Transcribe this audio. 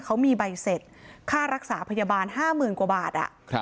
เขามีใบเสร็จค่ารักษาพยาบาลห้าหมื่นกว่าบาทอ่ะครับ